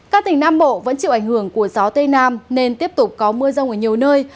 các tỉnh nam bộ vẫn chịu ảnh hưởng của gió tây nam nên tiếp tục có mưa rông ở nhiều nơi